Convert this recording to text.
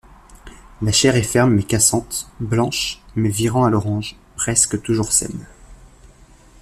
La chair est ferme mais cassante, blanche mais virant à l'orange, presque toujours saine.